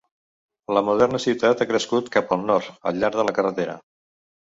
La moderna ciutat ha crescut cap al nord al llarg de la carretera.